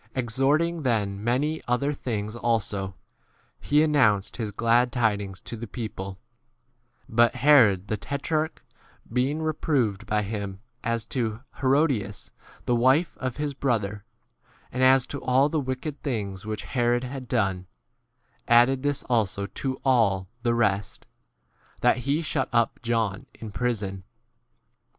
Exhorting x then many other things also, he an nounced [his] glad tidings to the 19 people ; but Herod the tetrarch being reproved by him as to Hero dias, the wife of his brother J and as to all the wicked things which 20 Herod had done, added this also to all [the rest], that he shut up John in prison.